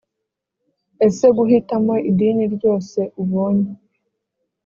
ese guhitamo idini ryose ubonye